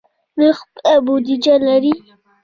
دوی خپله بودیجه لري.